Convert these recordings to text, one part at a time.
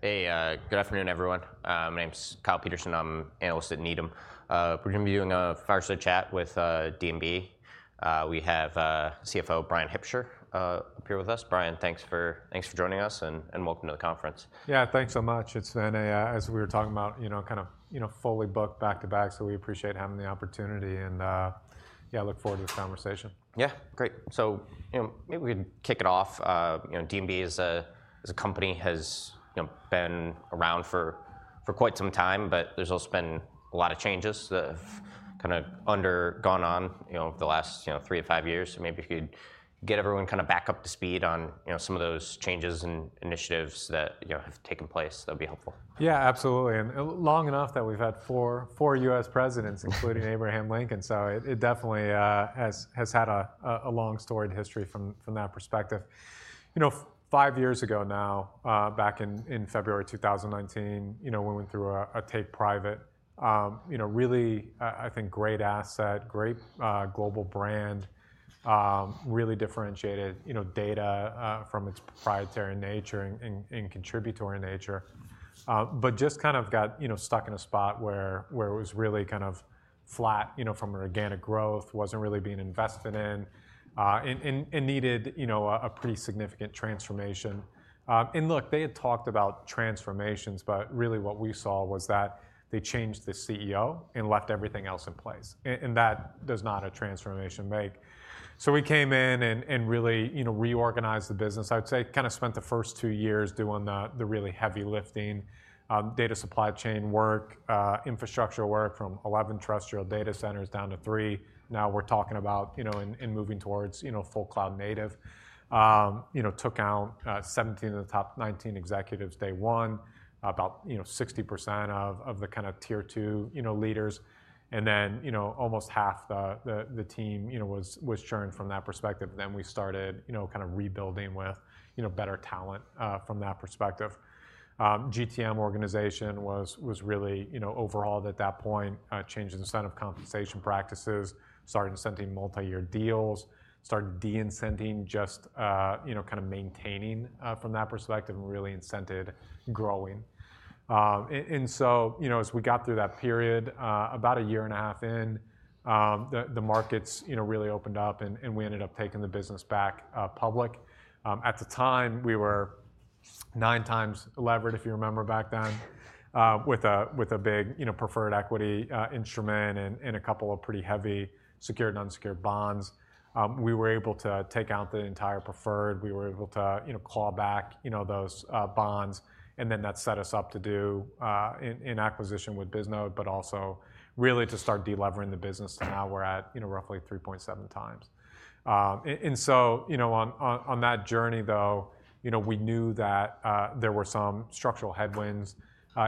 Hey, good afternoon, everyone. My name's Kyle Peterson. I'm analyst at Needham. We're going to be doing a fireside chat with D&B. We have CFO Bryan Hipsher up here with us. Bryan, thanks for joining us, and welcome to the conference. Yeah, thanks so much. It's been, as we were talking about, you know, kind of, you know, fully booked back-to-back, so we appreciate having the opportunity. And, yeah, look forward to this conversation. Yeah, great. So, you know, maybe we could kick it off. You know, D&B is a is a company has, you know, been around for, for quite some time, but there's also been a lot of changes that have kind of undergone on, you know, the last, you know, three to five years. So maybe if you could get everyone kind of back up to speed on, you know, some of those changes and initiatives that, you know, have taken place, that'd be helpful. Yeah, absolutely. Long enough that we've had four U.S. presidents, including Abraham Lincoln, so it definitely has had a long-storied history from that perspective. You know, five years ago now, back in February 2019, you know, we went through a take private. You know, really, I think great asset, great global brand, really differentiated, you know, data from its proprietary nature and contributory nature. But just kind of got, you know, stuck in a spot where it was really kind of flat, you know, from organic growth, wasn't really being invested in, and needed, you know, a pretty significant transformation. And look, they had talked about transformations, but really what we saw was that they changed the CEO and left everything else in place. And that does not a transformation make. So we came in and really, you know, reorganized the business. I would say kind of spent the first two years doing the really heavy lifting, data supply chain work, infrastructure work from 11 terrestrial data centers down to three. Now we're talking about, you know, and moving towards, you know, full cloud native. You know, took out 17 of the top 19 executives day one, about, you know, 60% of the kind of Tier 2, you know, leaders. And then, you know, kind of rebuilding with, you know, better talent, from that perspective. GTM organization was really, you know, overhauled at that point, changing the incentive compensation practices, started incenting multi-year deals, started de-incenting just, you know, kind of maintaining, from that perspective, and really incented growing. And so, you know, as we got through that period, about a year and a half in, the markets, you know, really opened up and we ended up taking the business back public. At the time, we were 9x levered, if you remember back then, with a big, you know, preferred equity instrument and a couple of pretty heavy secured and unsecured bonds. We were able to take out the entire preferred. We were able to, you know, claw back, you know, those bonds. And then that set us up to do an acquisition with Bisnode, but also really to start de-levering the business to now we're at, you know, roughly 3.7 times. And so, you know, on that journey, though, you know, we knew that there were some structural headwinds,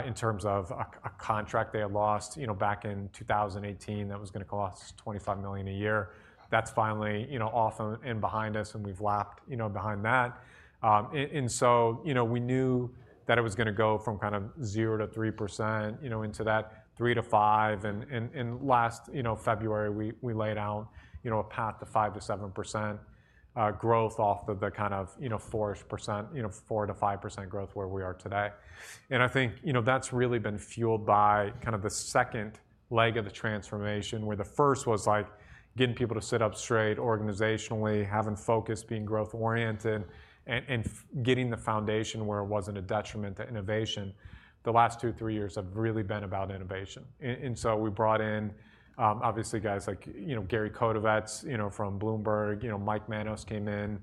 in terms of a contract they had lost, you know, back in 2018 that was going to cost us $25 million a year. That's finally, you know, off and behind us, and we've lapped, you know, behind that. And so, you know, we knew that it was going to go from kind of 0% to 3%, you know, into that 3% to 5%. Last, you know, February, we laid out, you know, a path to 5% to 7% growth off of the kind of 4-ish%, 4% to 5% growth where we are today. I think, you know, that's really been fueled by kind of the second leg of the transformation, where the first was, like, getting people to sit up straight organizationally, having focus, being growth-oriented, and getting the foundation where it wasn't a detriment to innovation. The last two, three years have really been about innovation. And so we brought in, obviously, guys like, you know, Gary Kotovets, you know, from Bloomberg, you know, Mike Manos came in,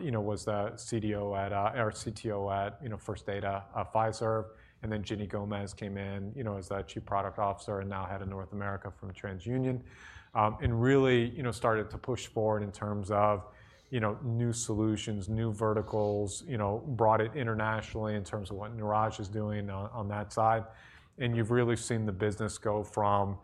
you know, was the CDO at, or CTO at, you know, First Data, Fiserv. And then Ginny Gomez came in, you know, as the Chief Product Officer and now head of North America from TransUnion. And really, you know, started to push forward in terms of, you know, new solutions, new verticals, you know, brought it internationally in terms of what Neeraj is doing on that side. And you've really seen the business go from, you know,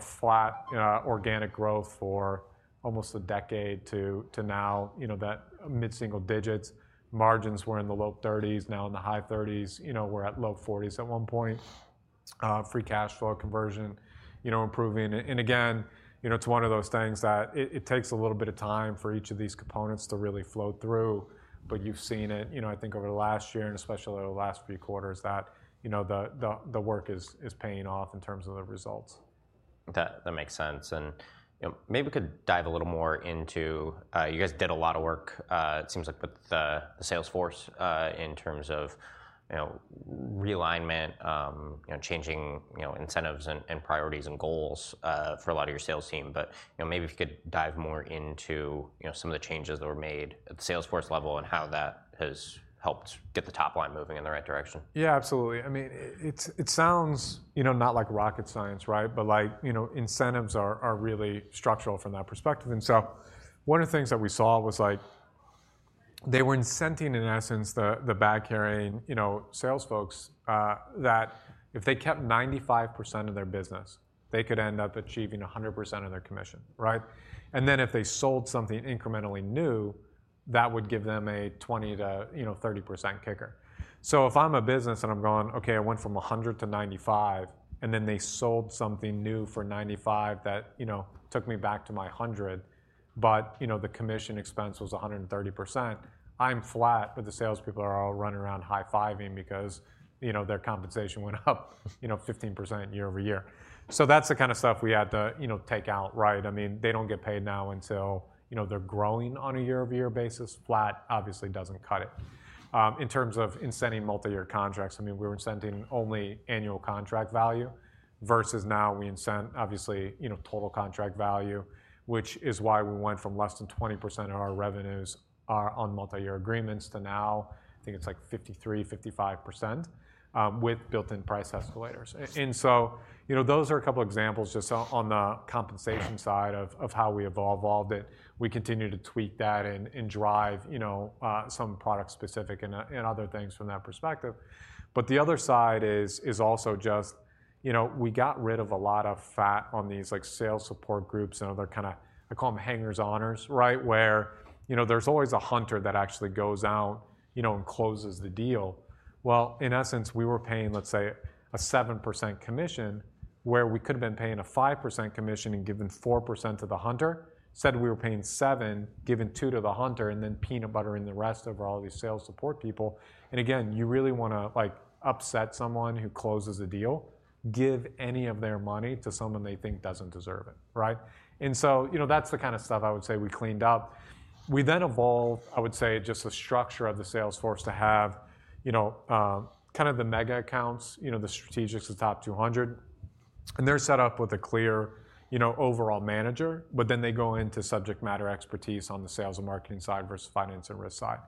flat, organic growth for almost a decade to now, you know, that mid-single digits. Margins were in the low 30s, now in the high 30s. You know, we're at low 40s at one point. Free cash flow conversion, you know, improving. And again, you know, it's one of those things that it takes a little bit of time for each of these components to really float through, but you've seen it, you know, I think over the last year and especially over the last few quarters that, you know, the work is paying off in terms of the results. That, that makes sense. You know, maybe we could dive a little more into, you guys did a lot of work, it seems like, with the, the sales force, in terms of, you know, realignment, you know, changing, you know, incentives and, and priorities and goals, for a lot of your sales team. But, you know, maybe if you could dive more into, you know, some of the changes that were made at the sales force level and how that has helped get the top line moving in the right direction. Yeah, absolutely. I mean, it's, it sounds, you know, not like rocket science, right? But like, you know, incentives are, are really structural from that perspective. And so one of the things that we saw was, like, they were incenting, in essence, the, the bag-carrying, you know, sales folks, that if they kept 95% of their business, they could end up achieving 100% of their commission, right? And then if they sold something incrementally new, that would give them a 20% to 30% kicker. So if I'm a business and I'm going, "Okay, I went from 100 to 95, and then they sold something new for 95 that, you know, took me back to my 100, but, you know, the commission expense was 130%," I'm flat, but the salespeople are all running around high-fiving because, you know, their compensation went up, you know, 15% year-over-year. So that's the kind of stuff we had to, you know, take out, right? I mean, they don't get paid now until, you know, they're growing on a year-over-year basis. Flat obviously doesn't cut it. In terms of incenting multi-year contracts, I mean, we were incenting only annual contract value versus now we incent, obviously, you know, total contract value, which is why we went from less than 20% of our revenues are on multi-year agreements to now, I think it's like 53% to 55%, with built-in price escalators. And so, you know, those are a couple of examples just on the compensation side of how we have evolved it. We continue to tweak that and drive, you know, some product-specific and other things from that perspective. But the other side is also just, you know, we got rid of a lot of fat on these, like, sales support groups and other kind of I call them hangers-oners, right, where, you know, there's always a hunter that actually goes out, you know, and closes the deal. Well, in essence, we were paying, let's say, a 7% commission where we could have been paying a 5% commission and given 4% to the hunter. Instead, we were paying 7%, giving 2% to the hunter, and then peanut buttering the rest over all these sales support people. And again, you really want to, like, upset someone who closes a deal, give any of their money to someone they think doesn't deserve it, right? And so, you know, that's the kind of stuff I would say we cleaned up. We then evolved, I would say, just the structure of the sales force to have, you know, kind of the mega accounts, you know, the strategics of the top 200. They're set up with a clear, you know, overall manager, but then they go into subject matter expertise on the Sales and Marketing side versus Finance and Risk side.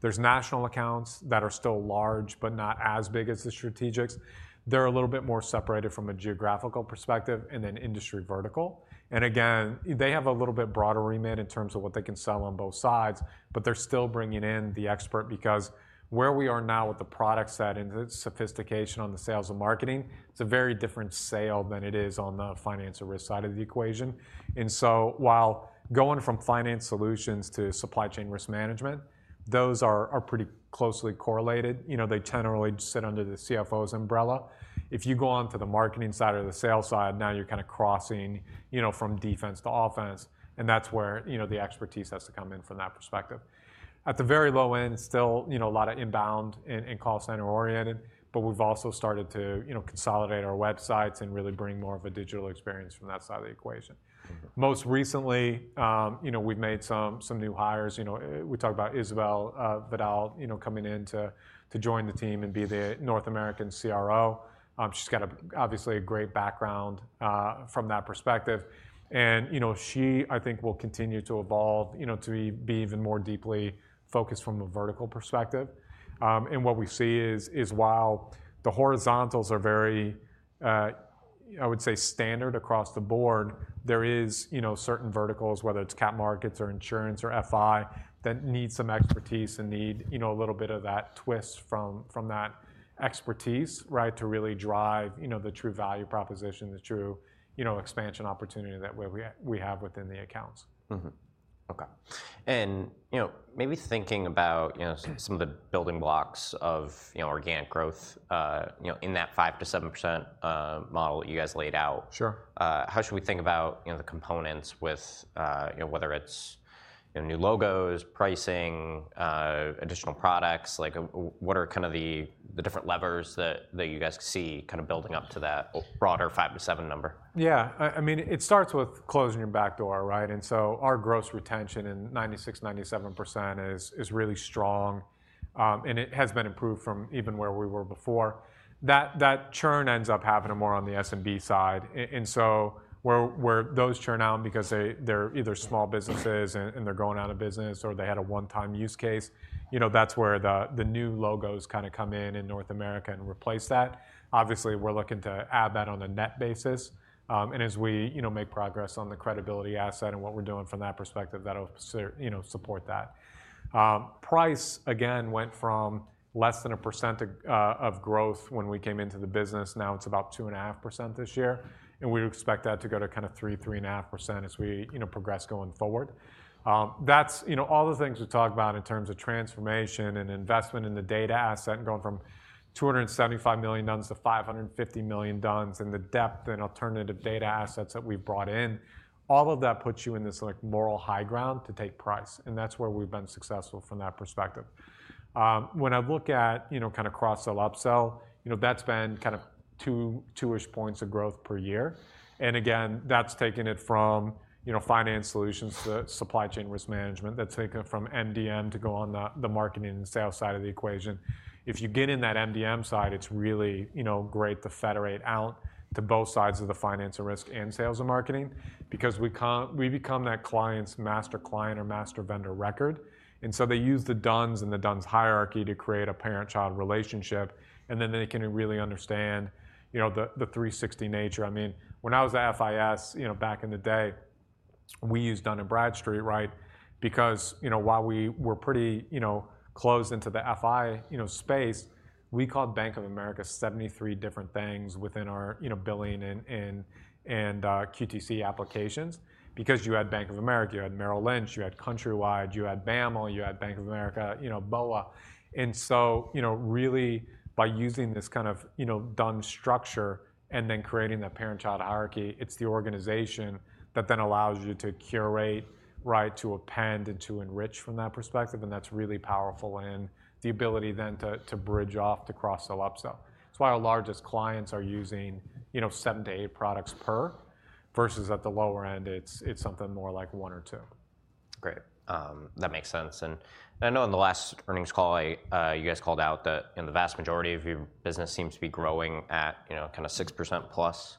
There's national accounts that are still large but not as big as the strategics. They're a little bit more separated from a geographical perspective and an industry vertical. Again, they have a little bit broader remit in terms of what they can sell on both sides, but they're still bringing in the expert because where we are now with the product set and the sophistication on the Sales and Marketing, it's a very different sale than it is on the Finance and Risk side of the equation. And so while going from Finance Solutions to Supply Chain Risk Management, those are pretty closely correlated. You know, they generally sit under the CFO's umbrella. If you go on to the marketing side or the sales side, now you're kind of crossing, you know, from defense to offense, and that's where, you know, the expertise has to come in from that perspective. At the very low end, still, you know, a lot of inbound and call center-oriented, but we've also started to, you know, consolidate our websites and really bring more of a digital experience from that side of the equation. Most recently, you know, we've made some new hires. You know, we talked about Isabelle Vidal, you know, coming in to join the team and be the North American CRO. She's got but obviously a great background from that perspective. You know, she, I think, will continue to evolve, you know, to be even more deeply focused from a vertical perspective. And what we see is while the horizontals are very, I would say, standard across the board, there is, you know, certain verticals, whether it's cap markets or insurance or FI, that need some expertise and need, you know, a little bit of that twist from that expertise, right, to really drive, you know, the true value proposition, the true, you know, expansion opportunity that we have within the accounts. Okay. And, you know, maybe thinking about, you know, some of the building blocks of, you know, organic growth, you know, in that 5% to 7% model that you guys laid out. Sure. How should we think about, you know, the components with, you know, whether it's, you know, new logos, pricing, additional products? Like, what are kind of the different levers that you guys see kind of building up to that overall broader five to seven number? Yeah. I mean, it starts with closing your back door, right? And so our gross retention in 96% to 97% is really strong. And it has been improved from even where we were before. That churn ends up having a more on the SMB side. And so where those churn out because they, they're either small businesses and they're going out of business or they had a one-time use case, you know, that's where the new logos kind of come in in North America and replace that. Obviously, we're looking to add that on a net basis. And as we, you know, make progress on the credibility asset and what we're doing from that perspective, that'll serve, you know, support that. Pricing, again, went from less than 1% of growth when we came into the business. Now it's about 2.5% this year. We expect that to go to kind of 3% to 3.5% as we, you know, progress going forward. That's, you know, all the things we talk about in terms of transformation and investment in the data asset and going from 275 million D-U-N-S to 550 million D-U-N-S and the depth and alternative data assets that we've brought in, all of that puts you in this, like, moral high ground to take price. That's where we've been successful from that perspective. When I look at, you know, kind of cross-sell upsell, you know, that's been kind of 2, 2-ish points of growth per year. And again, that's taken it from, you know, Finance Solutions to Supply Chain Risk Management. That's taken it from MDM to go on the, the marketing and sales side of the equation. If you get in that MDM side, it's really, you know, great to federate out to both sides of the Finance and Risk and Sales and Marketing because we can become that client's master client or master vendor record. And so they use the D-U-N-S and the D-U-N-S hierarchy to create a parent-child relationship, and then they can really understand, you know, the 360 nature. I mean, when I was at FIS, you know, back in the day, we used Dun & Bradstreet, right, because, you know, while we were pretty, you know, closed into the FI, you know, space, we called Bank of America 73 different things within our, you know, billing and QTC applications because you had Bank of America, you had Merrill Lynch, you had Countrywide, you had BAML, you had Bank of America, you know, BOA. So, you know, really by using this kind of, you know, DUNS structure and then creating that parent-child hierarchy, it's the organization that then allows you to curate, right, to append and to enrich from that perspective. That's really powerful in the ability then to, to bridge off to cross-sell upsell. It's why our largest clients are using, you know, seven to eight products per versus at the lower end, it's something more like one or two. Great. That makes sense. And I know in the last earnings call, I, you guys called out that, you know, the vast majority of your business seems to be growing at, you know, kind of 6%+.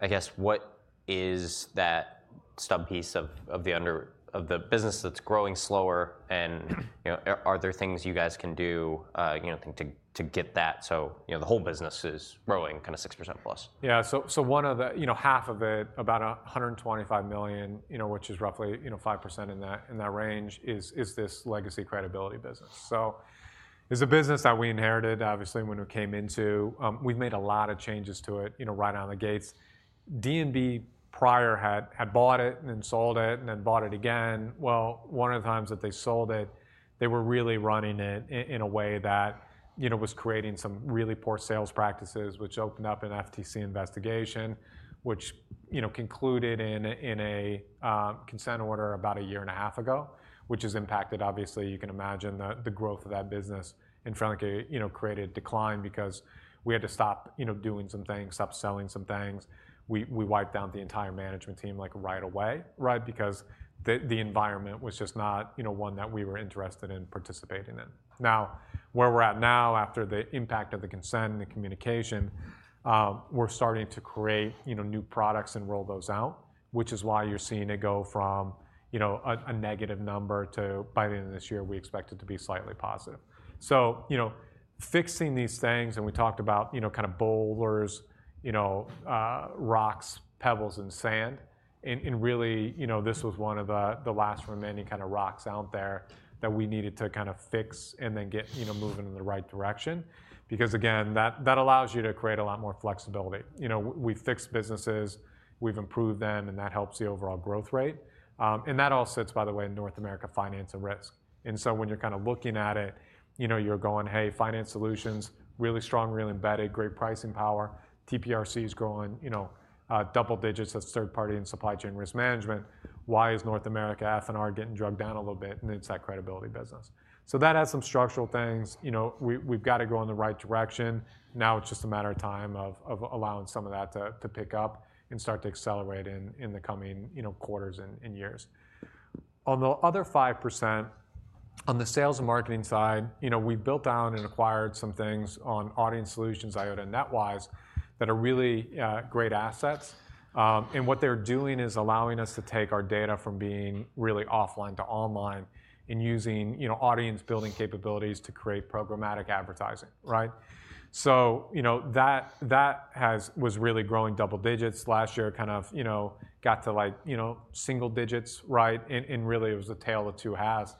I guess what is that stub piece of, of the under of the business that's growing slower and, you know, are there things you guys can do, you know, I think to get that so, you know, the whole business is growing kind of 6%+? Yeah. So one of the, you know, half of it, about $125 million, you know, which is roughly, you know, 5% in that, in that range, is this legacy credibility business. So it's a business that we inherited, obviously, when we came into. We've made a lot of changes to it, you know, right out of the gates. D&B prior had bought it and then sold it and then bought it again. Well, one of the times that they sold it, they were really running it in a way that, you know, was creating some really poor sales practices, which opened up an FTC investigation, which, you know, concluded in a consent order about a year and a half ago, which has impacted, obviously, you can imagine the growth of that business and frankly, you know, created decline because we had to stop, you know, doing some things, stop selling some things. We wiped out the entire management team, like, right away, right, because the environment was just not, you know, one that we were interested in participating in. Now, where we're at now after the impact of the consent and the communication, we're starting to create, you know, new products and roll those out, which is why you're seeing it go from, you know, a negative number to by the end of this year, we expect it to be slightly positive. So, you know, fixing these things and we talked about, you know, kind of boulders, you know, rocks, pebbles, and sand and, and really, you know, this was one of the last remaining kind of rocks out there that we needed to kind of fix and then get, you know, moving in the right direction because, again, that allows you to create a lot more flexibility. You know, we've fixed businesses, we've improved them, and that helps the overall growth rate. And that all sits, by the way, in North America Finance and Risk. So when you're kind of looking at it, you know, you're going, "Hey, Finance Solutions, really strong, really embedded, great pricing power. TPRC's growing, you know, double digits as third-party in Supply Chain Risk Management. Why is North America F&R getting dragged down a little bit?" It's that credibility business. So that has some structural things. You know, we've got to go in the right direction. Now it's just a matter of time of allowing some of that to pick up and start to accelerate in the coming, you know, quarters and years. On the other 5%, on the Sales and Marketing side, you know, we built out and acquired some things on Audience Solutions, Eyeota, NetWise, that are really great assets. And what they're doing is allowing us to take our data from being really offline to online and using, you know, audience-building capabilities to create programmatic advertising, right? So, you know, that was really growing double digits. Last year kind of, you know, got to, like, you know, single digits, right, and really it was a tale of two halves.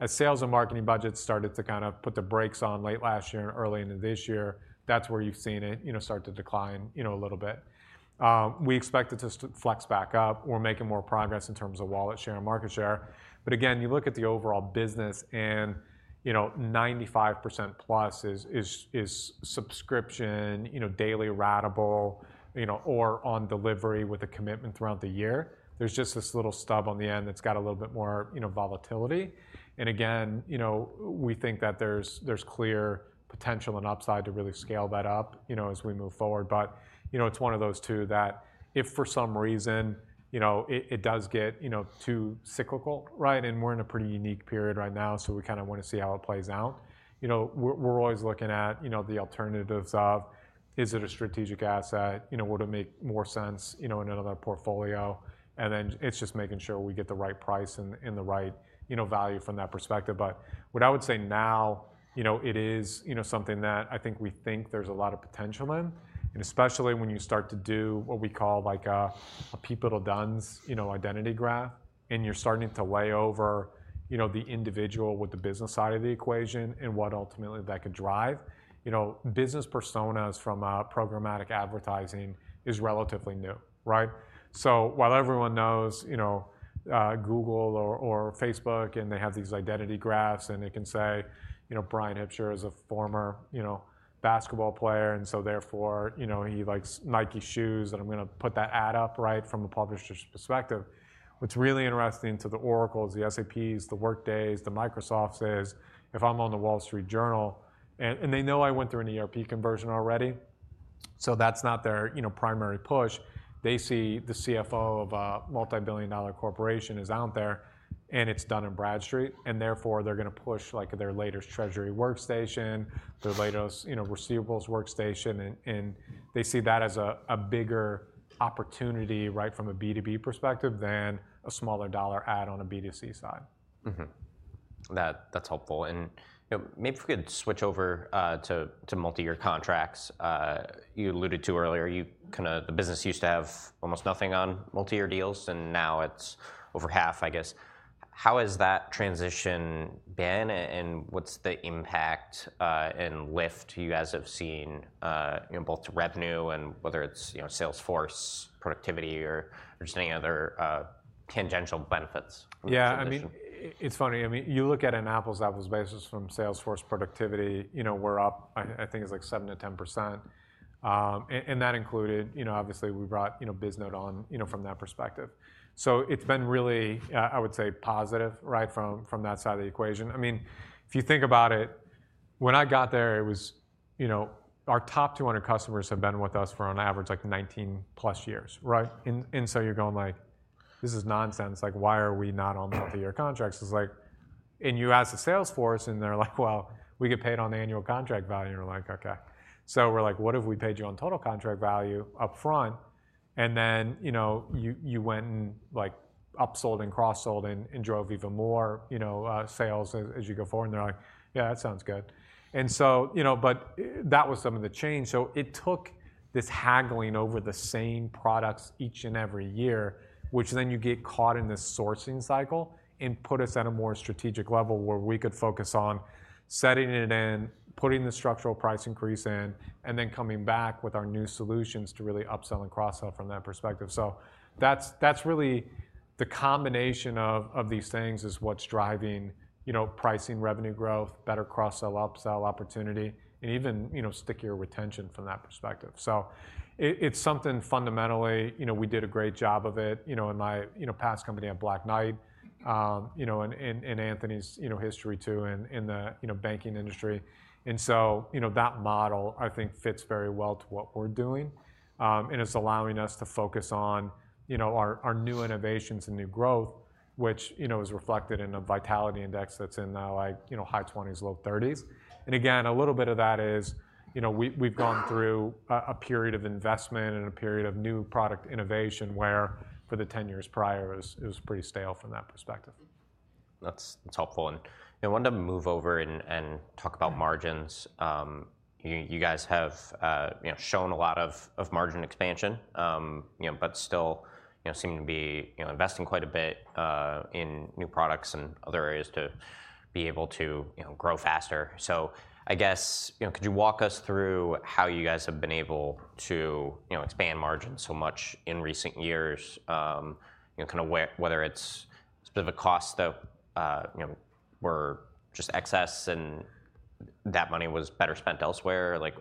As Sales and Marketing budgets started to kind of put the brakes on late last year and early into this year, that's where you've seen it, you know, start to decline, you know, a little bit. We expect it to flex back up. We're making more progress in terms of wallet share and market share. But again, you look at the overall business and, you know, 95% plus is subscription, you know, daily ratable, you know, or on delivery with a commitment throughout the year. There's just this little stub on the end that's got a little bit more, you know, volatility. And again, you know, we think that there's clear potential and upside to really scale that up, you know, as we move forward. But, you know, it's one of those two that if for some reason, you know, it does get, you know, too cyclical, right, and we're in a pretty unique period right now, so we kind of want to see how it plays out. You know, we're always looking at, you know, the alternatives of, is it a strategic asset? You know, would it make more sense, you know, in another portfolio? And then it's just making sure we get the right price and, and the right, you know, value from that perspective. But what I would say now, you know, it is, you know, something that I think we think there's a lot of potential in, and especially when you start to do what we call, like, a, a pivotal DUNS, you know, identity graph and you're starting to lay over, you know, the individual with the business side of the equation and what ultimately that could drive. You know, business personas from, programmatic advertising is relatively new, right? So while everyone knows, you know, Google or, or Facebook and they have these identity graphs and it can say, you know, Brian Hipsher is a former, you know, basketball player and so therefore, you know, he likes Nike shoes and I'm going to put that ad up, right, from a publisher's perspective. What's really interesting to the Oracles, the SAPs, the Workdays, the Microsofts is if I'm on the Wall Street Journal and, and they know I went through an ERP conversion already, so that's not their, you know, primary push. They see the CFO of a multibillion-dollar corporation is out there and it's Dun & Bradstreet and therefore they're going to push, like, their latest treasury workstation, their latest, you know, receivables workstation and, and they see that as a, a bigger opportunity, right, from a B2B perspective than a smaller dollar ad on a B2C side. That's helpful. And, you know, maybe if we could switch over to multi-year contracts you alluded to earlier, you kind of the business used to have almost nothing on multi-year deals and now it's over half, I guess. How has that transition been and what's the impact and lift you guys have seen, you know, both revenue and whether it's, you know, sales force productivity or just any other tangential benefits from this transition? Yeah. I mean, it's funny. I mean, you look at an apples-to-apples basis from sales force productivity, you know, we're up, I think it's like 7% to 10%. And that included, you know, obviously we brought, you know, Bisnode on, you know, from that perspective. So it's been really, I would say positive, right, from, from that side of the equation. I mean, if you think about it, when I got there, it was, you know, our top 200 customers have been with us for on average, like, 19+ years, right? And so you're going like, "This is nonsense. Like, why are we not on multi-year contracts?" It's like, and you ask the sales force and they're like, "Well, we get paid on the annual contract value." And you're like, "Okay." So we're like, "What if we paid you on total contract value upfront?" And then, you know, you went and, like, upsold and cross-sold and drove even more, you know, sales as you go forward and they're like, "Yeah, that sounds good." And so, you know, but that was some of the change. So it took this haggling over the same products each and every year, which then you get caught in this sourcing cycle and put us at a more strategic level where we could focus on setting it in, putting the structural price increase in, and then coming back with our new solutions to really upsell and cross-sell from that perspective. So that's really the combination of these things is what's driving, you know, pricing, revenue growth, better cross-sell, upsell opportunity, and even, you know, stickier retention from that perspective. So it's something fundamentally, you know, we did a great job of it, you know, in my, you know, past company at Black Knight, you know, and Anthony's, you know, history too in the banking industry. So that model I think fits very well to what we're doing, and it's allowing us to focus on, you know, our new innovations and new growth, which, you know, is reflected in a Vitality Index that's in now like, you know, high 20s, low 30s. And again, a little bit of that is, you know, we, we've gone through a period of investment and a period of new product innovation where for the 10 years prior it was pretty stale from that perspective. That's helpful. And I wanted to move over and talk about margins. You guys have, you know, shown a lot of margin expansion, you know, but still, you know, seem to be, you know, investing quite a bit in new products and other areas to be able to, you know, grow faster. So I guess, you know, could you walk us through how you guys have been able to, you know, expand margins so much in recent years, you know, kind of whether it's specific costs that, you know, were just excess and that money was better spent elsewhere? Like,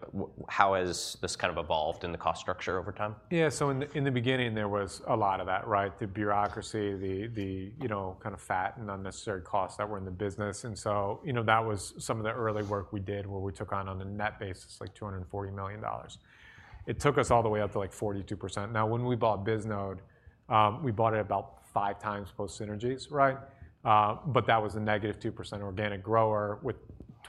how has this kind of evolved in the cost structure over time? Yeah. So in the beginning, there was a lot of that, right, the bureaucracy, the you know kind of fat and unnecessary costs that were in the business. And so, you know, that was some of the early work we did where we took out on a net basis like $240 million. It took us all the way up to like 42%. Now when we bought Bisnode, we bought it about five times post-synergies, right? But that was a negative 2% organic grower with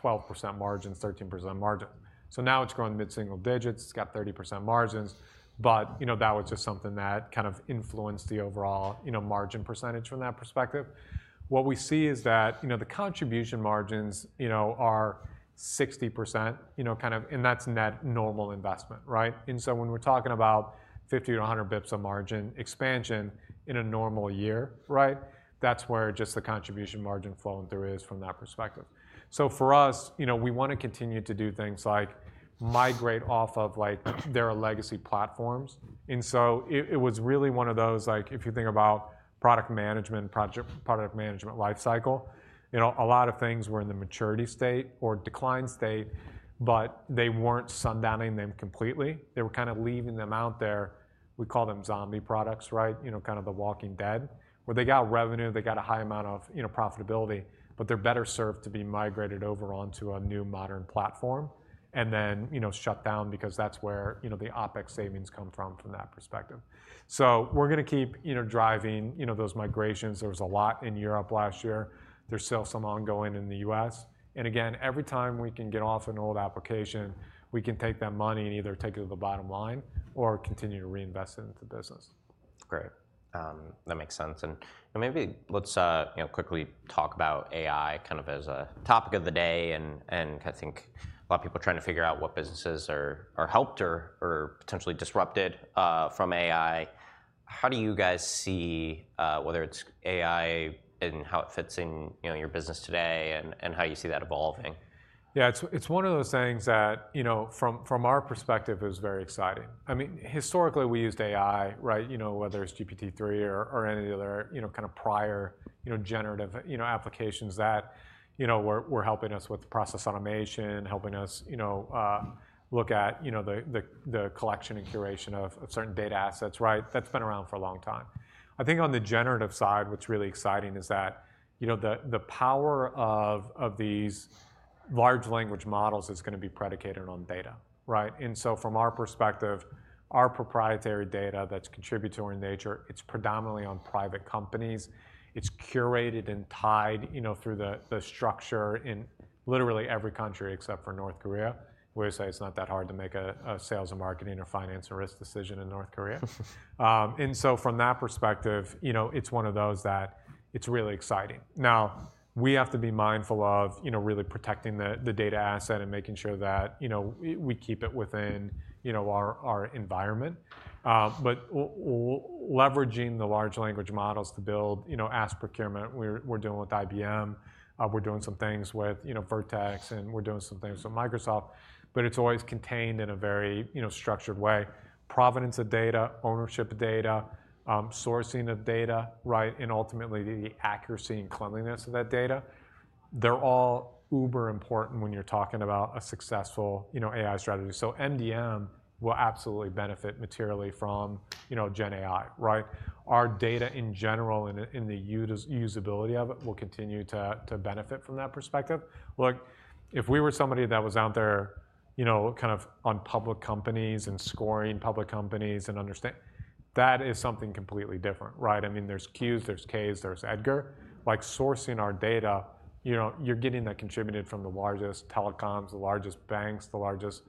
12% margins, 13% margins. So now it's grown mid-single digits. It's got 30% margins. But, you know, that was just something that kind of influenced the overall, you know, margin percentage from that perspective. What we see is that, you know, the contribution margins, you know, are 60%, you know kind of and that's net normal investment, right? And so when we're talking about 50-100 basis points of margin expansion in a normal year, right, that's where just the contribution margin flowing through is from that perspective. So for us, you know, we want to continue to do things like migrate off of, like, their legacy platforms. And so it was really one of those, like, if you think about product management, project product management lifecycle, you know, a lot of things were in the maturity state or decline state, but they weren't sundowning them completely. They were kind of leaving them out there. We call them zombie products, right, you know, kind of the walking dead where they got revenue, they got a high amount of, you know, profitability, but they're better served to be migrated over onto a new modern platform and then, you know, shut down because that's where, you know, the OPEX savings come from, from that perspective. So we're going to keep, you know, driving, you know, those migrations. There was a lot in Europe last year. There's still some ongoing in the U.S. And again, every time we can get off an old application, we can take that money and either take it to the bottom line or continue to reinvest it into the business. Great. That makes sense. And, you know, maybe let's, you know, quickly talk about AI kind of as a topic of the day and, and I think a lot of people trying to figure out what businesses are, are helped or, or potentially disrupted, from AI. How do you guys see, whether it's AI and how it fits in, you know, your business today and, and how you see that evolving? Yeah. It's one of those things that, you know, from our perspective, is very exciting. I mean, historically, we used AI, right, you know, whether it's GPT-3 or any other, you know, kind of prior, you know, generative, you know, applications that, you know, were helping us with process automation, helping us, you know, look at, you know, the collection and curation of certain data assets, right? That's been around for a long time. I think on the generative side, what's really exciting is that, you know, the power of these large language models is going to be predicated on data, right? And so from our perspective, our proprietary data that's contributory in nature, it's predominantly on private companies. It's curated and tied, you know, through the structure in literally every country except for North Korea. We always say it's not that hard to make a Sales and Marketing or Finance and Risk decision in North Korea. So from that perspective, you know, it's one of those that it's really exciting. Now we have to be mindful of, you know, really protecting the data asset and making sure that, you know, we keep it within, you know, our environment. But leveraging the large language models to build, you know, Ask Procurement, we're dealing with IBM. We're doing some things with, you know, Vertex and we're doing some things with Microsoft, but it's always contained in a very, you know, structured way. Provenance of data, ownership of data, sourcing of data, right, and ultimately the accuracy and cleanliness of that data, they're all uber important when you're talking about a successful, you know, AI strategy. So MDM will absolutely benefit materially from, you know, Gen AI, right? Our data in general and in the ultimate usability of it will continue to benefit from that perspective. Look, if we were somebody that was out there, you know, kind of on public companies and scoring public companies and understanding, that is something completely different, right? I mean, there's 10-Qs, there's 10-Ks, there's EDGAR. Like, sourcing our data, you know, you're getting that contributed from the largest telecoms, the largest banks, the largest,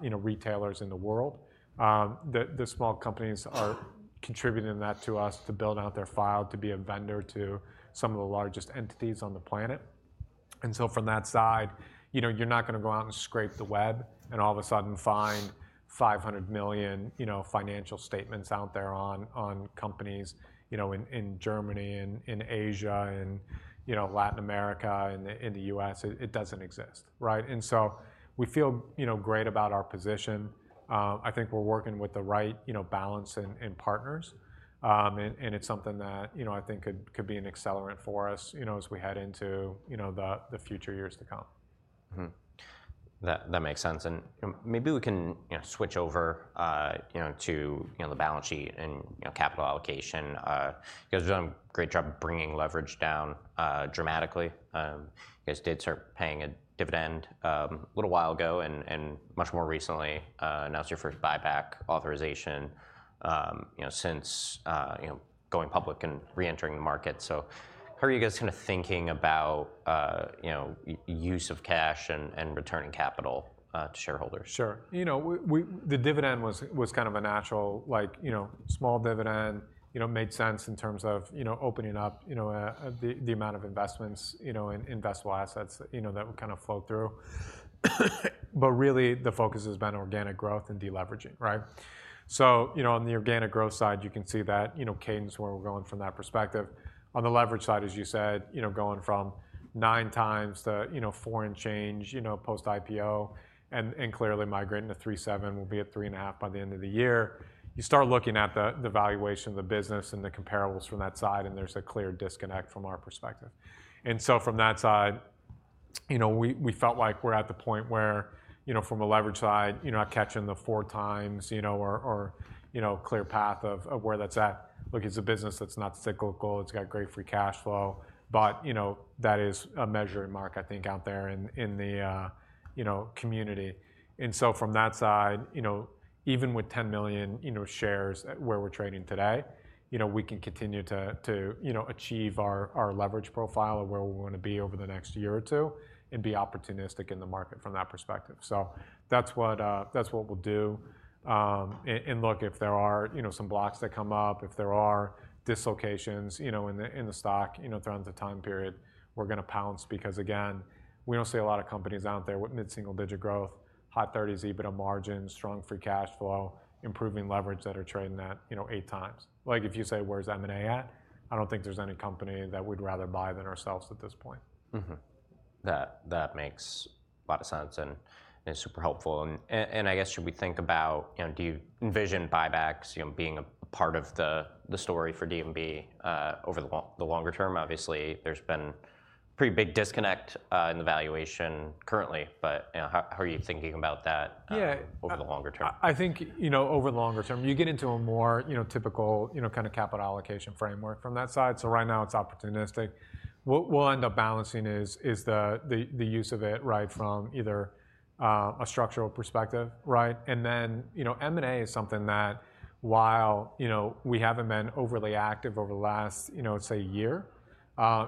you know, retailers in the world. The small companies are contributing that to us to build out their file, to be a vendor to some of the largest entities on the planet. So from that side, you know, you're not going to go out and scrape the web and all of a sudden find 500 million, you know, financial statements out there on companies, you know, in Germany and in Asia and, you know, Latin America and in the US. It doesn't exist, right? So we feel, you know, great about our position. I think we're working with the right, you know, balance and partners. And it's something that, you know, I think could be an accelerant for us, you know, as we head into, you know, the future years to come. That makes sense. You know, maybe we can, you know, switch over, you know, to, you know, the balance sheet and, you know, capital allocation. You guys have done a great job bringing leverage down, dramatically. You guys did start paying a dividend, a little while ago and much more recently, announced your first buyback authorization, you know, since, you know, going public and reentering the market. So how are you guys kind of thinking about, you know, use of cash and returning capital, to shareholders? Sure. You know, we, the dividend was kind of a natural, like, you know, small dividend, you know, made sense in terms of, you know, opening up, you know, the, the amount of investments, you know, in, in investable assets, you know, that would kind of flow through. But really the focus has been organic growth and deleveraging, right? So, you know, on the organic growth side, you can see that, you know, cadence where we're going from that perspective. On the leverage side, as you said, you know, going from 9x to, you know, four and change, you know, post-IPO and, and clearly migrating to 3.7, we'll be at 3.5 by the end of the year. You start looking at the valuation of the business and the comparables from that side and there's a clear disconnect from our perspective. So from that side, you know, we felt like we're at the point where, you know, from a leverage side, you're not catching the 4x, you know, or a clear path of where that's at. Look, it's a business that's not cyclical. It's got great free cash flow. But, you know, that is a measuring mark, I think, out there in the community. So from that side, you know, even with 10 million shares at where we're trading today, you know, we can continue to achieve our leverage profile of where we want to be over the next year or two and be opportunistic in the market from that perspective. So that's what we'll do. And look, if there are, you know, some blocks that come up, if there are dislocations, you know, in the stock, you know, throughout the time period, we're going to pounce because again, we don't see a lot of companies out there with mid-single-digit growth, high 30s percent EBITDA margins, strong free cash flow, improving leverage that are trading at, you know, 8x. Like, if you say, "Where's M&A at?" I don't think there's any company that we'd rather buy than ourselves at this point. That makes a lot of sense and I guess should we think about, you know, do you envision buybacks, you know, being a part of the story for D&B, over the longer term? Obviously, there's been a pretty big disconnect in the valuation currently, but, you know, how are you thinking about that, over the longer term? Yeah. I think, you know, over the longer term, you get into a more, you know, typical, you know, kind of capital allocation framework from that side. So right now it's opportunistic. What we'll end up balancing is the use of it, right, from either a structural perspective, right? And then, you know, M&A is something that while, you know, we haven't been overly active over the last, you know, say a year,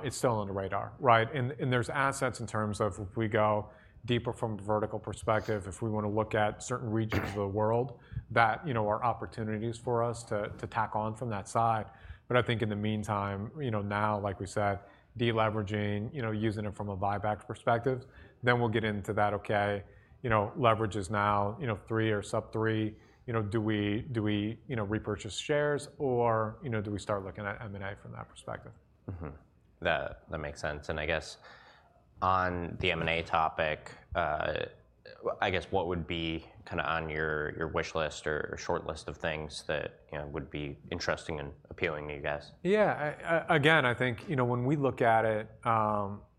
it's still on the radar, right? And there's assets in terms of if we go deeper from a vertical perspective, if we want to look at certain regions of the world that, you know, are opportunities for us to tack on from that side. But I think in the meantime, you know, now, like we said, deleveraging, you know, using it from a buyback perspective, then we'll get into that, okay. You know, leverage is now, you know, 3 or sub-3. You know, do we, you know, repurchase shares or, you know, do we start looking at M&A from that perspective? That makes sense. And I guess on the M&A topic, I guess what would be kind of on your wish list or shortlist of things that, you know, would be interesting and appealing to you guys? Yeah. I again, I think, you know, when we look at it,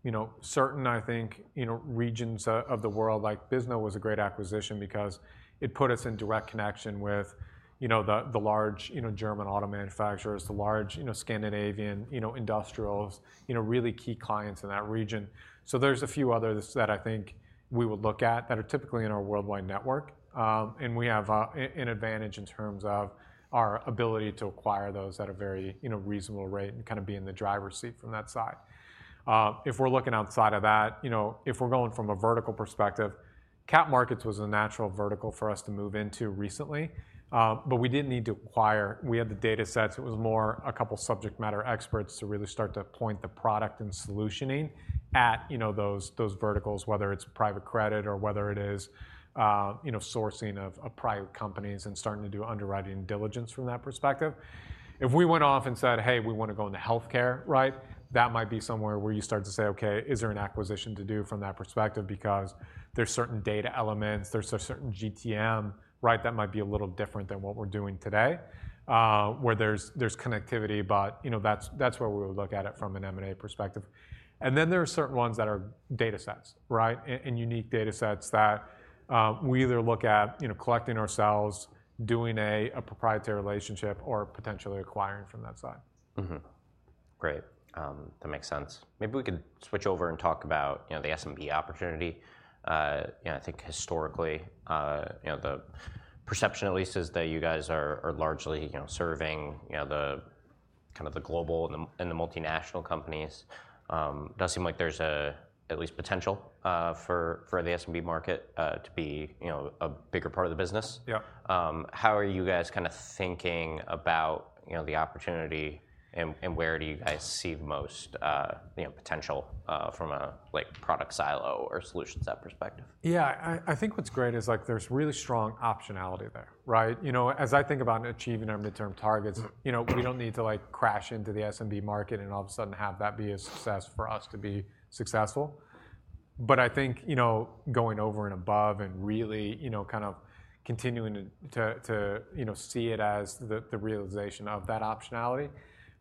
you know, certain, I think, you know, regions of the world like Bisnode was a great acquisition because it put us in direct connection with, you know, the large, you know, German auto manufacturers, the large, you know, Scandinavian, you know, industrials, you know, really key clients in that region. So there's a few others that I think we would look at that are typically in our worldwide network. And we have an advantage in terms of our ability to acquire those at a very, you know, reasonable rate and kind of be in the driver's seat from that side. If we're looking outside of that, you know, if we're going from a vertical perspective, capital markets was a natural vertical for us to move into recently. But we didn't need to acquire. We had the data sets. It was more a couple subject matter experts to really start to point the product and solutioning at, you know, those, those verticals, whether it's private credit or whether it is, you know, sourcing of, of private companies and starting to do underwriting and diligence from that perspective. If we went off and said, "Hey, we want to go into healthcare," right, that might be somewhere where you start to say, "Okay, is there an acquisition to do from that perspective?" Because there's certain data elements. There's a certain GTM, right, that might be a little different than what we're doing today, where there's, there's connectivity, but, you know, that's, that's where we would look at it from an M&A perspective. And then there are certain ones that are data sets, right, and unique data sets that we either look at, you know, collecting ourselves, doing a proprietary relationship, or potentially acquiring from that side. Great. That makes sense. Maybe we could switch over and talk about, you know, the SMB opportunity. You know, I think historically, you know, the perception at least is that you guys are largely, you know, serving, you know, the kind of the global and the multinational companies. Does seem like there's at least potential for the SMB market to be, you know, a bigger part of the business. Yep. How are you guys kind of thinking about, you know, the opportunity and, and where do you guys see the most, you know, potential, from a, like, product silo or solutions that perspective? Yeah. I think what's great is, like, there's really strong optionality there, right? You know, as I think about achieving our midterm targets, you know, we don't need to, like, crash into the SMB market and all of a sudden have that be a success for us to be successful. But I think, you know, going over and above and really, you know, kind of continuing to, you know, see it as the, the realization of that optionality.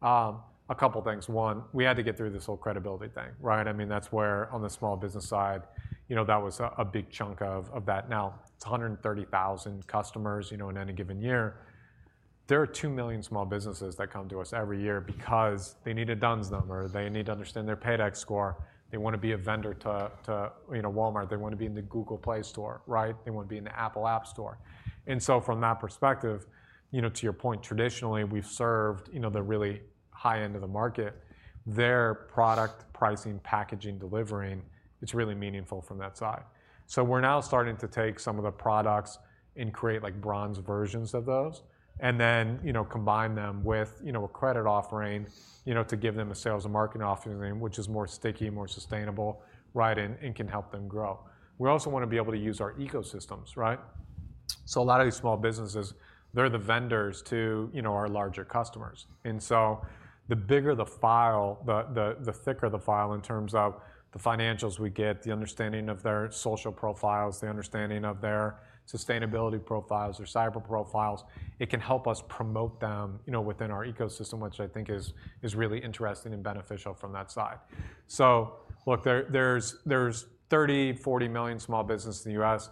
A couple things. One, we had to get through this whole credibility thing, right? I mean, that's where on the small business side, you know, that was a, a big chunk of, of that. Now it's 130,000 customers, you know, in any given year. There are two million small businesses that come to us every year because they need a DUNS number. They need to understand their PAYDEX score. They want to be a vendor to, you know, Walmart. They want to be in the Google Play Store, right? They want to be in the Apple App Store. So from that perspective, you know, to your point, traditionally, we've served, you know, the really high end of the market. Their product, pricing, packaging, delivering, it's really meaningful from that side. So we're now starting to take some of the products and create, like, bronze versions of those and then, you know, combine them with, you know, a credit offering, you know, to give them a Sales and Marketing offering, which is more sticky, more sustainable, right, and can help them grow. We also want to be able to use our ecosystems, right? So a lot of these small businesses, they're the vendors to, you know, our larger customers. So the bigger the file, the thicker the file in terms of the financials we get, the understanding of their social profiles, the understanding of their sustainability profiles or cyber profiles, it can help us promote them, you know, within our ecosystem, which I think is really interesting and beneficial from that side. So look, there's 30-40 million small businesses in the U.S.,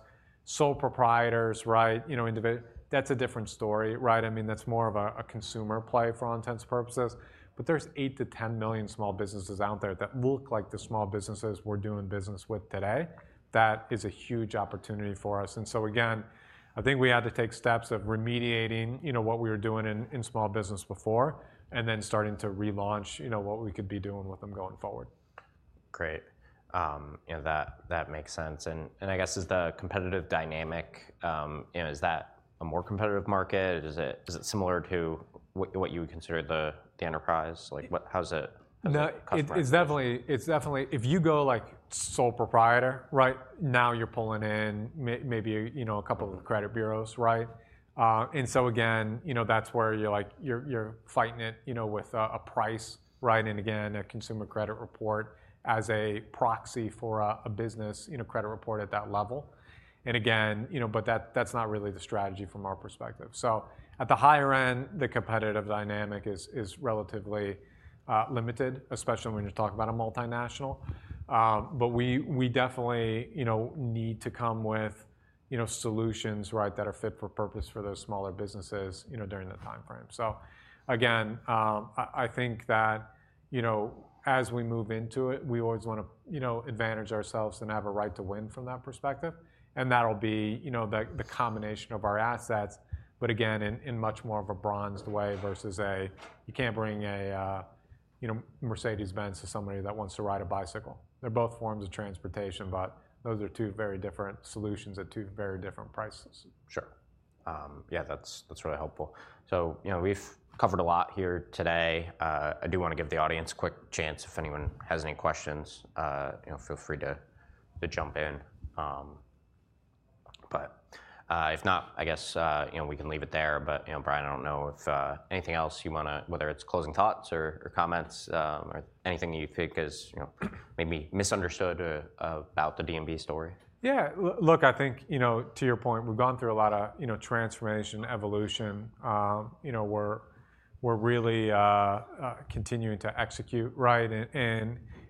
sole proprietors, right, you know, individuals that's a different story, right? I mean, that's more of a consumer play for all intents and purposes. But there's 8-10 million small businesses out there that look like the small businesses we're doing business with today. That is a huge opportunity for us. And so again, I think we had to take steps of remediating, you know, what we were doing in small business before and then starting to relaunch, you know, what we could be doing with them going forward. Great. You know, that makes sense. And I guess is the competitive dynamic, you know, is that a more competitive market? Is it similar to what you would consider the enterprise? Like, what, how's it customized? No, it's definitely if you go, like, sole proprietor, right, now you're pulling in maybe, you know, a couple of credit bureaus, right? And so again, you know, that's where you're, like, fighting it, you know, with a price, right, and again, a consumer credit report as a proxy for a business, you know, credit report at that level. And again, you know, but that's not really the strategy from our perspective. So at the higher end, the competitive dynamic is relatively limited, especially when you're talking about a multinational. But we definitely, you know, need to come with, you know, solutions, right, that are fit for purpose for those smaller businesses, you know, during that timeframe. So again, I think that, you know, as we move into it, we always want to, you know, advantage ourselves and have a right to win from that perspective. And that'll be, you know, the combination of our assets, but again, in much more of a branded way versus, you can't bring a, you know, Mercedes-Benz to somebody that wants to ride a bicycle. They're both forms of transportation, but those are two very different solutions at two very different prices. Sure. Yeah, that's, that's really helpful. So, you know, we've covered a lot here today. I do want to give the audience a quick chance if anyone has any questions, you know, feel free to, to jump in. But, if not, I guess, you know, we can leave it there. But, you know, Bryan, I don't know if anything else you want to whether it's closing thoughts or, or comments, or anything that you think is, you know, maybe misunderstood about the D&B story? Yeah. Look, I think, you know, to your point, we've gone through a lot of, you know, transformation, evolution. You know, we're really continuing to execute, right?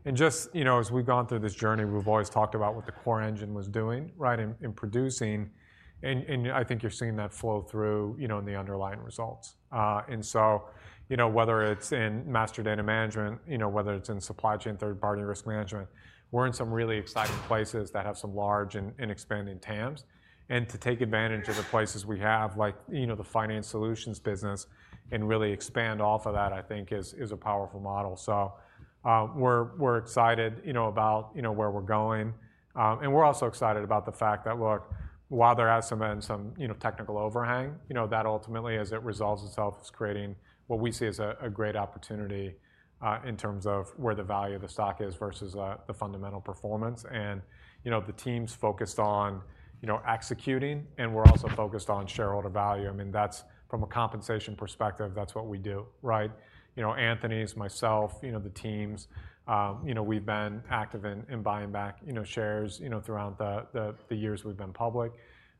And just, you know, as we've gone through this journey, we've always talked about what the core engine was doing, right, in producing. And I think you're seeing that flow through, you know, in the underlying results. And so, you know, whether it's in Master Data Management, you know, whether it's in Supply Chain, Third-Party Risk management, we're in some really exciting places that have some large and expanding TAMs. And to take advantage of the places we have, like, you know, the Finance Solutions business and really expand off of that, I think is a powerful model. So, we're excited, you know, about, you know, where we're going. We're also excited about the fact that, look, while there has been some technical overhang, you know, that ultimately, as it resolves itself, is creating what we see as a great opportunity, in terms of where the value of the stock is versus the fundamental performance. And, you know, the team's focused on, you know, executing, and we're also focused on shareholder value. I mean, that's from a compensation perspective, that's what we do, right? You know, Anthony, myself, you know, the teams, you know, we've been active in buying back, you know, shares, you know, throughout the years we've been public.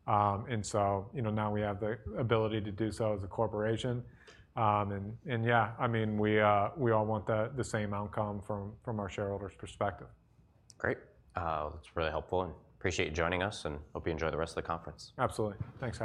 So, you know, now we have the ability to do so as a corporation. And yeah, I mean, we all want the same outcome from our shareholders' perspective. Great. That's really helpful and appreciate you joining us and hope you enjoy the rest of the conference. Absolutely. Thanks.